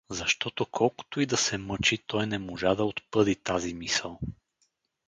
Защото, колкото и да се мъчи, той не можа да отпъди тази мисъл.